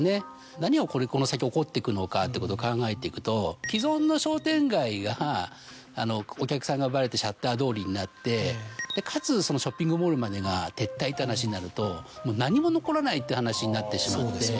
何をこれこの先起こってくのかってことを考えていくと既存の商店街がお客さんが奪われてシャッター通りになってかつそのショッピングモールまでが撤退って話になるともう何も残らないって話になってしまって。